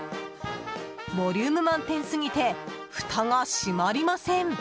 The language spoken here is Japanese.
ボリューム満点すぎてふたが閉まりません。